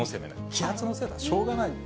気圧のせいだ、しょうがない。